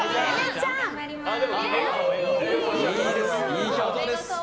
いい表情です。